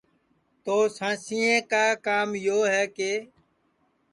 تو سانسیں کا کام یو ہے کہ